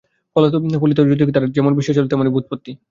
ফলিত জ্যোতিষে তাঁর যেমন বিশ্বাস ছিল তেমনি ব্যুৎপত্তি।